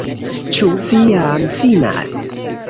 Ĉu vi jam finas?